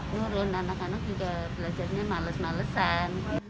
nurun anak anak juga belajarnya males malesan